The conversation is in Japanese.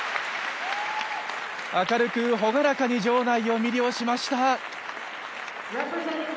明るく朗らかに場内を魅了しました。